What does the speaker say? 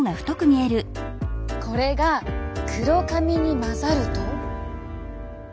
これが黒髪に交ざると。